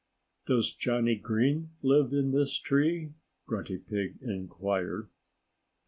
"Does Johnnie Green live in this tree?" Grunty Pig inquired.